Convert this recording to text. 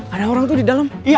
ada orang itu di dalam